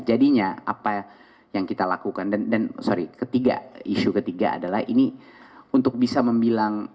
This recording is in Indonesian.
jadinya apa yang kita lakukan dan sorry ketiga isu ketiga adalah ini untuk bisa membilang